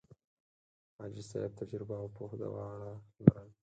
حاجي صاحب تجربه او پوه دواړه لرل.